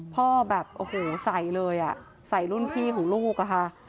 พ่อแบบโอ้โหใสเลยใสรุ่นพี่ของลูกค่ะ